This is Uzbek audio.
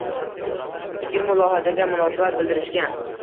fikr-mulohazaga munosabat bildirishga